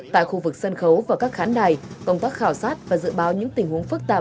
tại khu vực sân khấu và các khán đài công tác khảo sát và dự báo những tình huống phức tạp